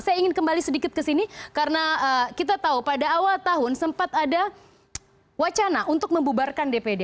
saya ingin kembali sedikit ke sini karena kita tahu pada awal tahun sempat ada wacana untuk membubarkan dpd